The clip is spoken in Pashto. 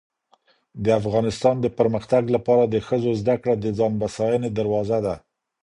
. د افغانستان د پرمختګ لپاره د ښځو زدهکړه د ځان بسیاینې دروازه ده